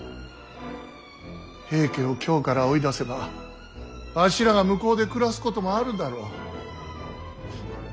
平家を京から追い出せばわしらが向こうで暮らすこともあるだろう。